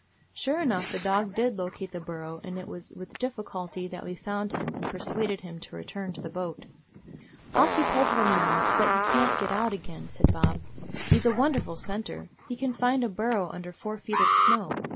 Sure enough, the dog did locate the burrow ; and it was with difficulty that we found him, and persuaded him to return to the boat. "I 'll keep hold of him now, so that he can't get out again," said Bob. "He 's a wonder ful scenter. He can find a burrow under four feet of snow.